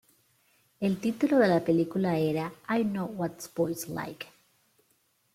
El título de la película era "I Know What Boys Like".